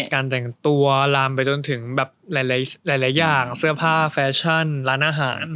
การแต่งตัวลามไปจนถึงแบบหลายอย่างเสื้อผ้าแฟชั่นร้านอาหาร